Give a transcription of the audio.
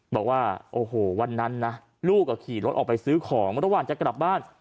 บอกว่าโอ้โหวันนั้นนะลูกขี่รถออกไปซื้อของระหว่างจะกลับบ้าน